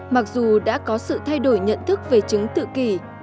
mặc dù đã có sự thay đổi nhận thức về chứng tự kỷ